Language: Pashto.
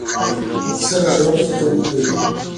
اکثره ژور فکر نه کوي.